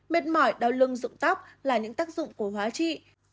biệt mỏi đau lưng rụng tóc là những tác dụng của hóa trị